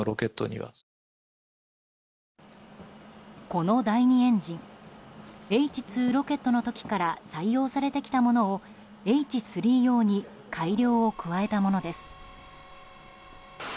この第２エンジンＨ２ロケットの時から採用されてきたものをＨ３用に改良を加えたものです。